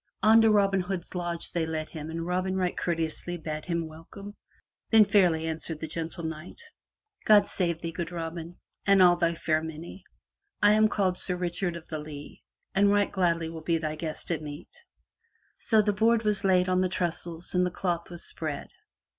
Unto Robin Hood's lodge they led him and Robin right courteously bade him welcome. Then fairly answered the gentle Knight: "God save thee, good Robin, and all thy fair many. I am called Sir Richard of the Lea, and right gladly will be thy guest at meat." So the board was laid on the trestles and the cloth was spread.